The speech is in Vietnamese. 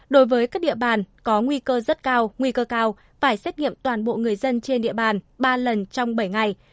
đối với các địa bàn có nguy cơ rất cao nguy cơ cao phải xét nghiệm toàn bộ người dân trên địa bàn ba lần trong bảy ngày